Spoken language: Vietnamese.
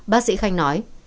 bác sĩ khanh nói